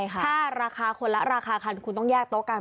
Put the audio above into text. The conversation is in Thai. ถ้าราคาคนละราคาคันคุณต้องแยกโต๊ะกัน